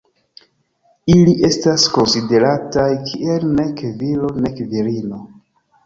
Ili estas konsiderataj kiel nek viro nek virino.